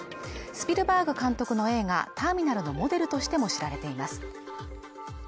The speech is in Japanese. スピルバーグ監督の映画「ターミナル」のモデルとしても知られています